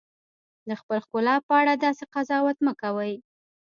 د خپلې ښکلا په اړه داسې قضاوت مه کوئ.